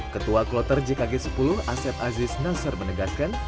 ketua kota jekage sepuluh asyad aziz nasar menegaskan